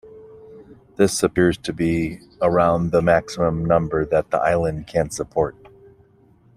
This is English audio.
This appears to be around the maximum number that the island can support.